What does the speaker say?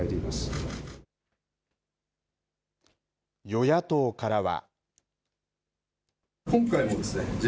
与野党からは。